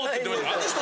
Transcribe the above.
あの人ね！